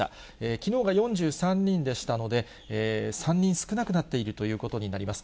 きのうが４３人でしたので、３人少なくなっているということになります。